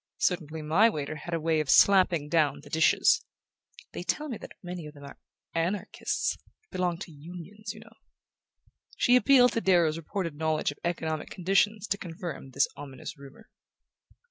Certainly my waiter had a way of slapping down the dishes ... they tell me that many of them are Anarchists ... belong to Unions, you know." She appealed to Darrow's reported knowledge of economic conditions to confirm this ominous rumour.